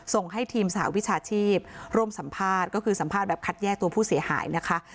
ส่งให้ทีมสหวิชาชีพร่วมสัมภาษณ์ก็คือสัมภาษณ์แบบคัดแยกตัวผู้เสียหายนะคะ